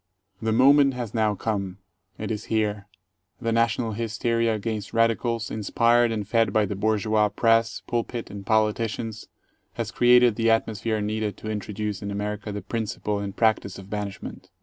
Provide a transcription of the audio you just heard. The moment has now come. It is here. The national hysteria against radicals, inspired and fed by the bourgeois press, pulpit, and politicians, has created the atmosphere needed to introduce in America the principle and practice of banishment.